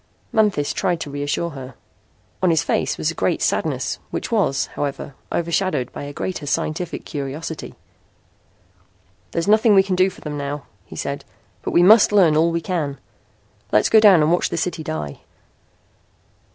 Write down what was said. Manthis tried to reassure her. On his face was a great sadness which was, however, overshadowed by a greater scientific curiosity. "There's nothing we can do for them now," he said. "But we must learn all we can. Let's go down and watch the city die."